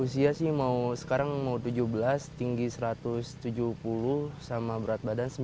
usia sih mau sekarang mau tujuh belas tinggi satu ratus tujuh puluh sama berat badan sembilan puluh